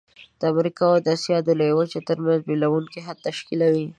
د امریکا او آسیا د لویې وچې ترمنځ بیلوونکی حد تشکیلوي.